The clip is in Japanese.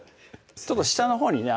ちょっと下のほうにね